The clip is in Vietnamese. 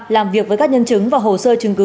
làm việc với các nhân chứng và hồ sơ chứng cứ